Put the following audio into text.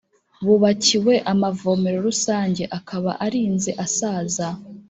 bubakiwe amavomero rusange akaba arinze asaza